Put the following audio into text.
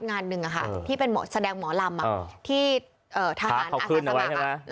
งานหนึ่งอ่ะค่ะที่เป็นหมอแสดงหมอลำอ่ะที่เอ่อทหารเขาขึ้นไว้ใช่ไหม